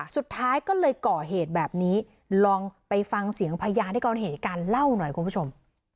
สุดท้ายก็เลยก่อเหตุแบบนี้ลองไปฟังเสียงพยานที่เขาเห็นเหตุการณ์เล่าหน่อยคุณผู้ชม